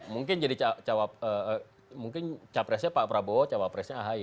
mungkin jadi mungkin capresnya pak prabowo cawapresnya ahy